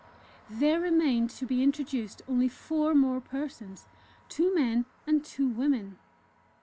There remained to be introduced only four more persons, two men, and two women.